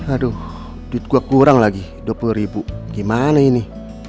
aduh duit gue kurang lagi dua puluh ribu gimana ini